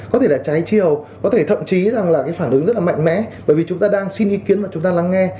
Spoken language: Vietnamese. có thể là trái chiều có thể thậm chí rằng là cái phản ứng rất là mạnh mẽ bởi vì chúng ta đang xin ý kiến mà chúng ta lắng nghe